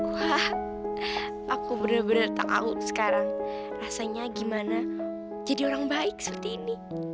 wah aku bener bener tak tahu sekarang rasanya gimana jadi orang baik seperti ini